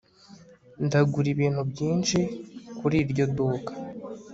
ndagura ibintu byinshi kuri iryo duka